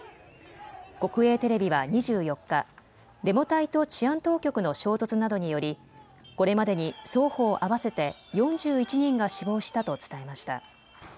国営テレビは２４日、デモ隊と治安当局の衝突などによりこれまでに双方合わせて４１人が死亡したと伝えました。